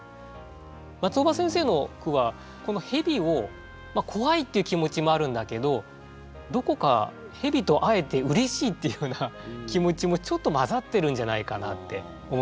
松尾葉先生の句はこの「へび」を怖いっていう気持ちもあるんだけどどこかへびと会えてうれしいっていうような気持ちもちょっと混ざってるんじゃないかなって思ったんですね。